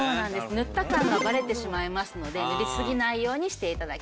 塗った感がバレてしまいますので塗りすぎないようにして頂きたいです。